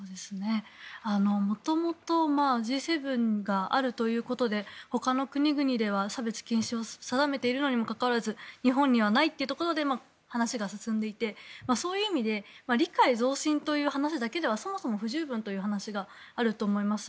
元々Ｇ７があるということでほかの国々では差別禁止を定めているにもかかわらず日本にはないというところで話が進んでいてそういう意味で理解増進という話だけではそもそも不十分という話があると思います。